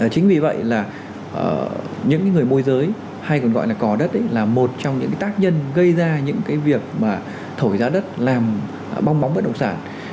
chính vì vậy là những người môi giới hay còn gọi là cò đất là một trong những tác nhân gây ra những cái việc mà thổi giá đất làm bong bóng bất động sản